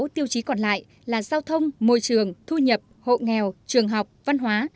sáu tiêu chí còn lại là giao thông môi trường thu nhập hộ nghèo trường học văn hóa